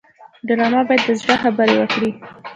ډرامه باید د زړه خبرې وکړي